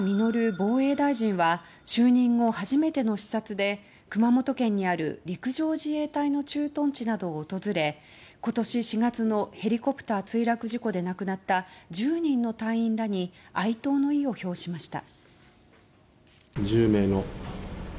防衛大臣は就任後初めての視察で熊本県にある陸上自衛隊の駐屯地などを訪れ今年４月のヘリコプター墜落事故で亡くなった１０人の隊員らに哀悼の意を表しました。